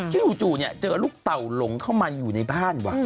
จู่เจอลูกเต่าหลงเข้ามาอยู่ในบ้านว่ะ